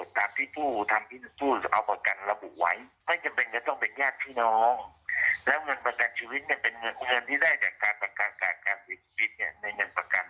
จะไปเป็นผู้จัดการแทนหรืออะไรอย่างนี้ก็ไม่ได้ถูกไหมอาจารย์